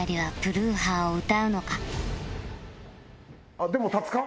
このでも立つか？